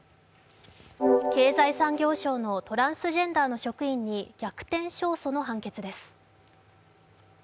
経済産業省のトランスジェンダーの職員に逆転勝訴の判決です。